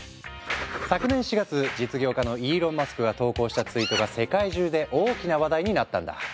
昨年４月実業家のイーロン・マスクが投稿したツイートが世界中で大きな話題になったんだ。